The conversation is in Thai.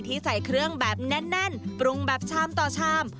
ใส่เครื่องแบบแน่นปรุงแบบชามต่อชาม